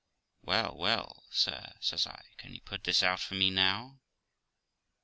'Well, well, sir', says I, 'can you put this out for me now?'